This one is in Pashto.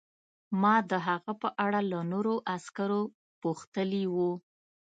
ما د هغه په اړه له نورو عسکرو پوښتلي وو